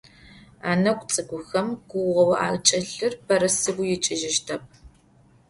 Анэгу цӏыкӏухэм гугъэу акӏэлъыр бэрэ сыгу икӏыжьыщтэп.